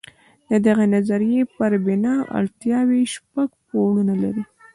د دغې نظریې پر بنا اړتیاوې شپږ پوړونه لري.